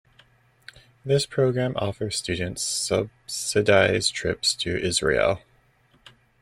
This program offers students subsidised trips to Israel.